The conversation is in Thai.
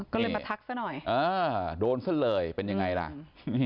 ก็เลยมาทักซะหน่อยอ่าโดนซะเลยเป็นยังไงล่ะ